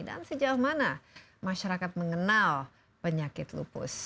sejauh mana masyarakat mengenal penyakit lupus